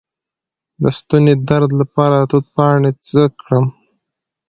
د ستوني درد لپاره د توت پاڼې څه کړم؟